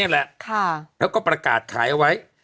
แล้วก็ประกาศขายให้ไว้